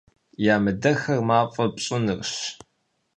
Ямыдэххэр мафӀэ пщӀынырщ.